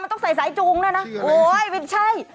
ฝันต้องใส่สายจูงนะ